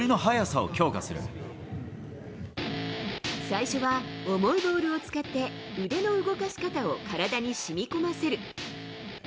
最初は重いボールを使って、腕の動かし方を体に染み込ませる。